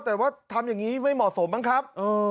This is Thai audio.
แต่ว่าทำอย่างนี้ไม่เหมาะสมบ้างครับ